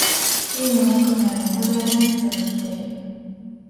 どうも奥には、よほど偉い人が来ている